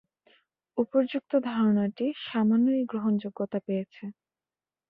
উপর্যুক্ত ধারণাটি সামান্যই গ্রহণযোগ্যতা পেয়েছে।